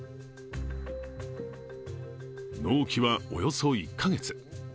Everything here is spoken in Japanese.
納期はおよそ１か月。